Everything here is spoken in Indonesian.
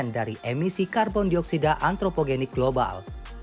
dari emisi karbon dioksida antropogenik global